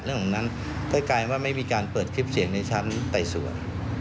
หลังจากนั้นก็กลายว่าไม่มีการเปิดคลิปเสียงในชั้นไต่สวน